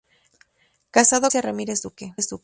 Casado con Patricia Ramírez Duque.